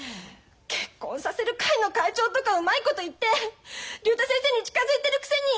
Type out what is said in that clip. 結婚させる会の会長とかうまいこと言って竜太先生に近づいてるくせに！